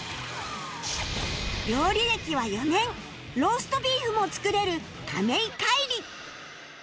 料理歴は４年ローストビーフも作れる亀井海聖